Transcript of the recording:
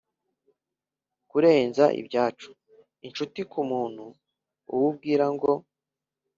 kurenza ibyacu, inshuti kumuntu, uwo ubwira ngo,